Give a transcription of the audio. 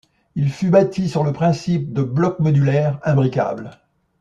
Il fut bâti sur le principe de blocs modulaires imbriquables.